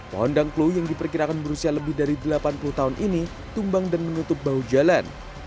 pohon danglu yang diperkirakan berusia lebih dari delapan puluh tahun ini tumbang dan menutup bahu jalan